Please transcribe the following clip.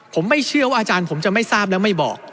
ผมไม่เชื่อว่าอาจารย์ผมจะไม่ทราบและไม่บอก